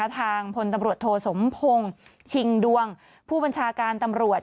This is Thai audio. ทางพลตำรวจโทสมพงศ์ชิงดวงผู้บัญชาการตำรวจ